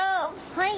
はい。